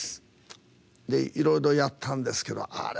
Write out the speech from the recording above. いろいろやったんですけどあれ？